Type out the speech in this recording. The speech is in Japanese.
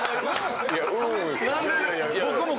何で。